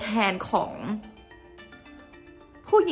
จนดิวไม่แน่ใจว่าความรักที่ดิวได้รักมันคืออะไร